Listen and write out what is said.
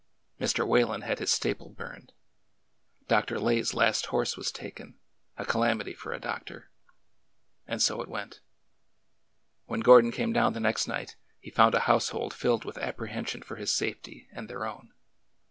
Mr. Whalen had his stable burned. Dr. Lay's last horse was taken — a calamity for a doctor. And so it went. When Gordon came down the next night, he found a household filled with apprehension for his safety and their own.